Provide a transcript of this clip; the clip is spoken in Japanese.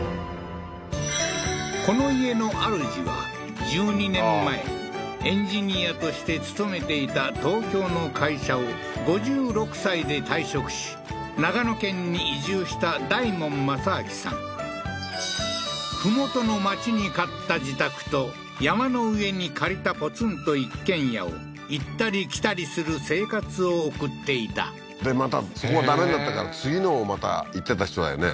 この家のあるじは１２年前エンジニアとして勤めていた東京の会社を５６歳で退職し長野県に移住した大門正明さん麓の町に買った自宅と山の上に借りたポツンと一軒家を行ったり来たりする生活を送っていたでまたそこがダメになったから次のをまた行ってた人だよね？